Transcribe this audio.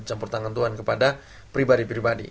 campur tangan tuhan kepada pribadi pribadi